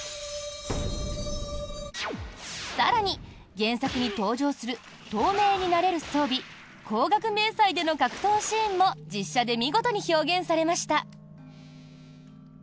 更に、原作に登場する透明になれる装備光学迷彩での格闘シーンも実写で見事に表現されました。